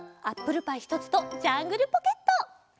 「アップルパイひとつ」と「ジャングルポケット」。